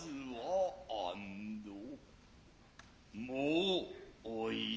もうお暇。